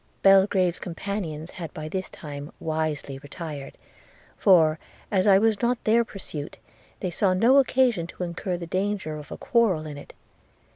Belgrave's companions had by this time wisely retired; for, as I was not their pursuit, they saw no occasion to incur the danger of a quarrel in it.